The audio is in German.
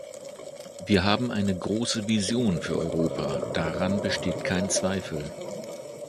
Wir haben eine große Vision für Europa, daran besteht kein Zweifel.